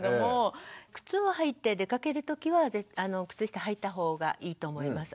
靴を履いて出かける時は靴下はいた方がいいと思います。